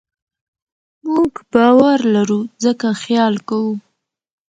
موږ باور لرو؛ ځکه خیال کوو.